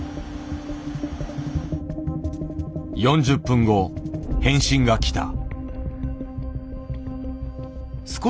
４０分後返信が来た。